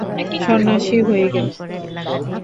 সন্ন্যাসী হয়ে গেলো।